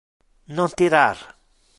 Non tirar!